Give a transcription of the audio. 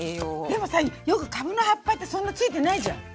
でもさよくかぶの葉っぱってそんなついてないじゃん。